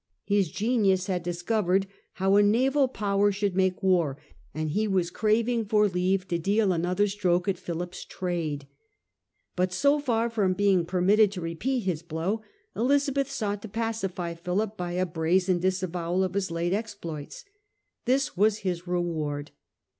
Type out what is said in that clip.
His genius had discovered how a naval power should make war, and he was craving for leave to deal another stroke at Philip's trade. But so far from being permitted to repeat his blow, Elizabeth sought to pacify Philip by a brazen disavowal of his late exploits. This was his reward.